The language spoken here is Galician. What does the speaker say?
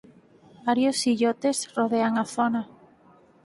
Varios illotes rodean a zona.